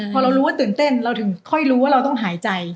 พอเรารู้ว่าตื่นเต้นเราถึงค่อยรู้ว่าเราต้องหายใจ